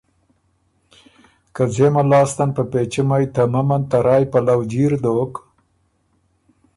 که ځېمه لاستن په پېچُمئ ته ممند ته رایٛ پلؤ جیر دوک،